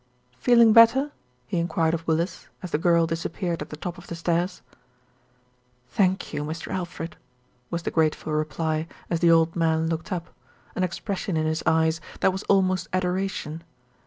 "Feeling better?" he inquired of Willis, as the girl disappeared at the top of the stairs. "Thank you, Mr. Alfred," was the grateful reply, as the old man looked up, an expression in his eyes that was almost adoration.